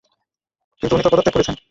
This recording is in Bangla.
কিন্তু উনি তো পদত্যাগ করেছেন।